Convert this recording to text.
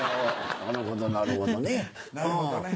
なるほどなるほどね。